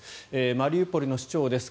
マリウポリの市長です。